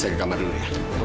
satria anak yang baik lho ma